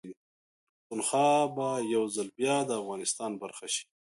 پښتونخوا به يوځل بيا ده افغانستان برخه شي